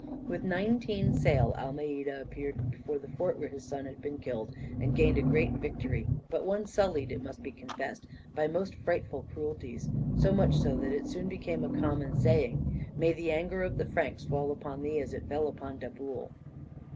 With nineteen sail Almeida appeared before the fort where his son had been killed, and gained a great victory, but one sullied, it must be confessed, by most frightful cruelties, so much so that it soon became a common saying: "May the anger of the Franks fall upon thee as it fell upon Daboul."